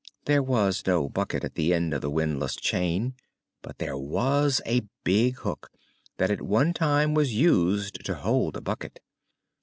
There was no bucket at the end of the windlass chain, but there was a big hook that at one time was used to hold a bucket.